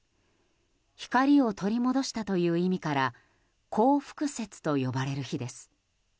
光を取り戻したという意味から光復節と呼ばれる日です。